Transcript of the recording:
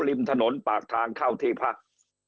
ริมถนนปากทางเข้าที่พัก